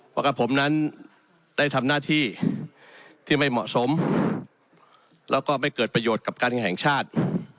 เพราะกับผมนั้นได้ทำหน้าที่ที่ไม่เหมาะสมแล้วก็ไม่เกิดประโยชน์กับการแข่งชาติ